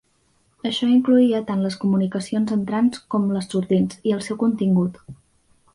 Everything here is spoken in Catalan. Això incloïa tant les comunicacions entrants com les sortints, i el seu contingut.